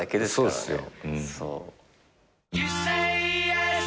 そうっすよ。